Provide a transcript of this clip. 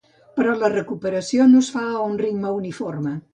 Però la recuperació no es fa a un ritme uniforme.